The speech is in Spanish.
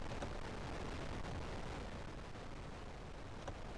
Presentó importantes proyectos con el fin de hacer resurgir las artes populares del Perú.